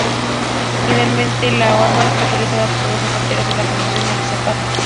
Originariamente, la horma era utilizada por los zapateros en la confección del zapato.